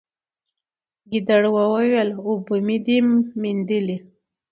ګیدړ وویل اوبه مي دي میندلي